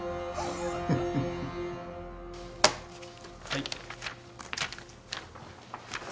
はい。